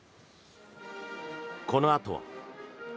このあとは。